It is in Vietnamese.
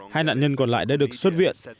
hai nạn nhân còn lại đã được xuất viện